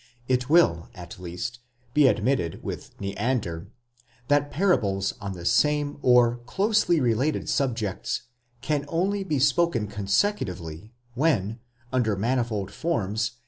2 It will, at least, be admitted, with Neander, that parables on the same or closely related subjects can only be spoken consecutively, when, under manifold forms, and from 1 eo iiber den Lukas, 5.